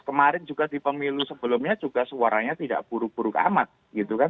kemarin juga di pemilu sebelumnya juga suaranya tidak buruk buruk amat gitu kan